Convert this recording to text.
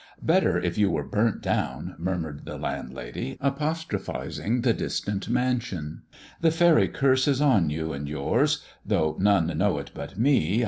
" Better if you were burnt down," murmured the land lady, apostrophizing the distant mansion ;" the fairy curse is on you and yours, though none know it but me.